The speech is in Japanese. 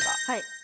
はい。